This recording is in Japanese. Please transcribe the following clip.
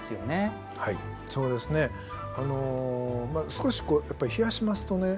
少し冷やしますとね